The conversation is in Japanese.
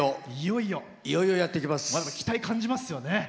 期待感じますよね。